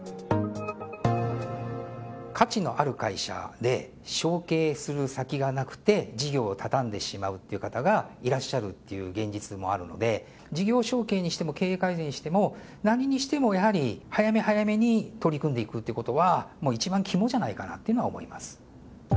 価値のある会社で承継する先がなくて、事業を畳んでしまうという方がいらっしゃるっていう現実もあるので、事業承継にしても経営改善にしても、何もしてもやはり早め早めに取り組んでいくということは、もう一番肝じゃないかなというのは思います。